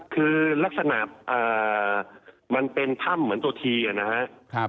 คือลักษณะมันเป็นถ้ำเหมือนตัวทีนะครับ